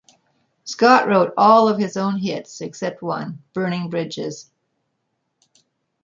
Scott wrote all of his own hits, except one: Burning Bridges.